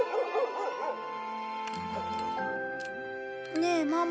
ねえママ。